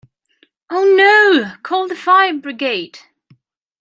Oh no! Call the fire brigade!